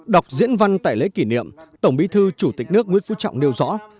đọc diễn văn tại lễ kỷ niệm tổng bí thư chủ tịch nước nguyễn phú trọng nêu rõ